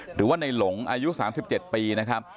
หรือว่าในหลงอายุ๓๗ปีนะครับ